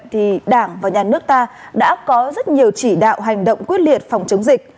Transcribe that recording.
thì đảng và nhà nước ta đã có rất nhiều chỉ đạo hành động quyết liệt phòng chống dịch